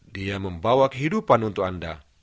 dia membawa kehidupan untuk anda